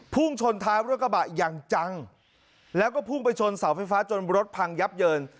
พุ่งชนท้ายรถกระบะอย่างจังแล้วก็พุ่งไปชนเสาไฟฟ้าจนรถพังยับเยิน